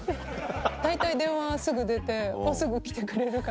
大体電話すぐ出てすぐ来てくれるから。